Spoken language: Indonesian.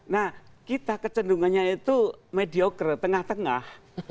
nah kita kecendungannya itu mediocre tengah tengah